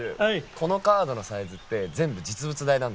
このカードのサイズって全部実物大なんですよね？